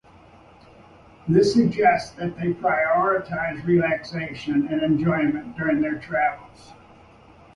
This suggests that they prioritize relaxation and enjoyment during their travels.